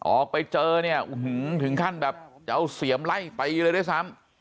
ออกไปเจอเนี่ยถึงขั้นแบบจะเอาเสียมไล่ตีเลยด้วยซ้ำ